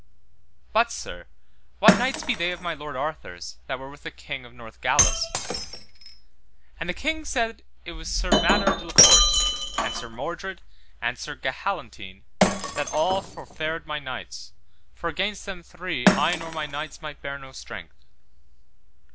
But, sir, what knights be they of my lord Arthur's that were with the King of Northgalis? And the king said it was Sir Mador de la Porte, and Sir Mordred and Sir Gahalantine that all for fared my knights, for against them three I nor my knights might bear no strength.